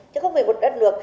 chứ không phải một đất nước